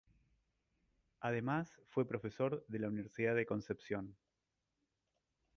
Además fue profesor de la Universidad de Concepción.